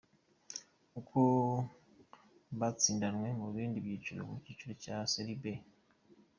Uko batsindanwe mu bindi byiciro, mu kiciro cya serie B: .